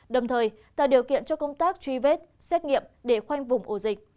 đồng thời tạo điều kiện cho công tác truy vết xét nghiệm để khoanh vùng ổ dịch